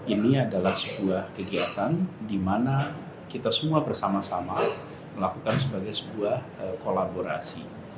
ini adalah sebuah kegiatan di mana kita semua bersama sama melakukan sebagai sebuah kolaborasi